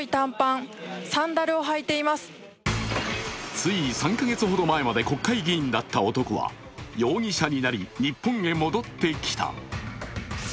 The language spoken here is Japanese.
つい３か月ほど前まで国会議員だった男は容疑者になり、日本へ戻ってきた。